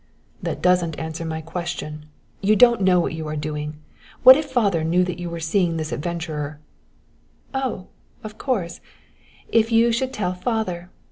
"That doesn't answer my question. You don't know what you are doing. What if father knew that you were seeing this adventurer " "Oh, of course, if you should tell father!